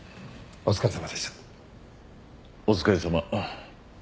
お疲れさま。